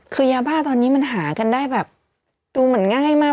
คือยาบ้าตอนนี้มันหากันได้แบบดูเหมือนง่ายมาก